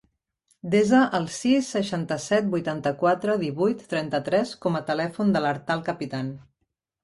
Desa el sis, seixanta-set, vuitanta-quatre, divuit, trenta-tres com a telèfon de l'Artal Capitan.